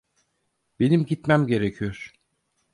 Benim gitmem gerekiyor.